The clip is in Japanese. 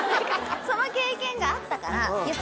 その経験があったから。